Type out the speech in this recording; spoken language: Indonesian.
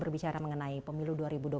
berbicara mengenai pemilu dua ribu dua puluh